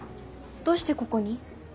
どうしてここに？